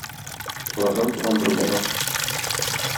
Алардан туган бер бала.